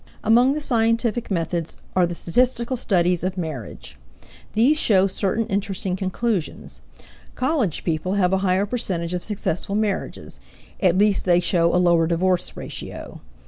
Among the scientific methods are the statistical studies of marriage; these show certain interesting conclusions. College people have a higher percentage of successful marriages at least, they show a lower divorce ratio.